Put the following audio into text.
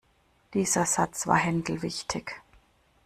Dieser Satz war Händel wichtig.